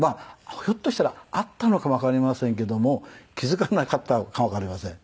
ひょっとしたらあったのかもわかりませんけども気付かなかったのかもわかりません。